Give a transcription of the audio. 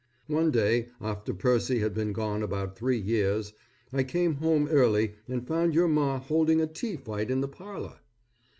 One day after Percy had been gone about three years, I came home early and found your Ma holding a tea fight in the parlor.